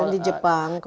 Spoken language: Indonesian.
di jepang kemarin